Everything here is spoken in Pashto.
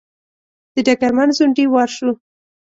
د ډګرمن ځونډي وار شو.